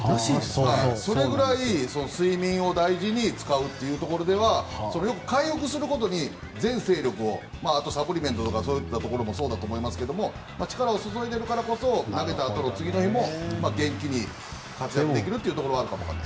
それぐらい睡眠を大事に使うということには回復することに全精力をあとサプリメントとかそういったところもそうかもしれませんが力を注いでいるからこそ投げたあとの次の日も元気に活躍できるというところはあるかもしれない。